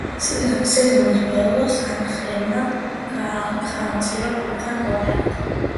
სეზონის ბოლოს, ანხელმა გაახანგრძლივა კლუბთან კონტრაქტი.